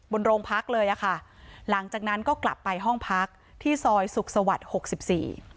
บนโรงพักเลยอ่ะค่ะหลังจากนั้นก็กลับไปห้องพักที่ซอยสุขสวรรค์หกสิบสี่